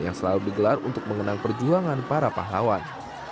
yang selalu digelar untuk mengenang perjuangan para pahlawan